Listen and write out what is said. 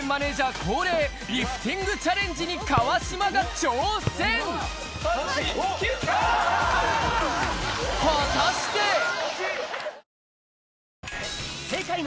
恒例、リフティングチャレンジに川島が挑戦。皆さんこんにちは。